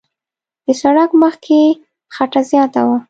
د سړک مخ کې خټه زیاته وه.